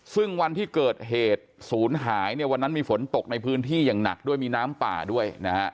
ซึ่งวันที่เกิดเหตุศูนย์หายเนี่ยวันนั้นมีฝนตกในพื้นที่อย่างหนักด้วยมีน้ำป่าด้วยนะฮะ